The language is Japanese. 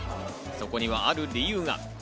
そこにはある理由が。